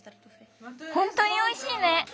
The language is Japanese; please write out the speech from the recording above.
ほんとにおいしいね。